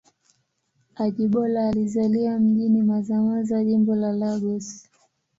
Ajibola alizaliwa mjini Mazamaza, Jimbo la Lagos.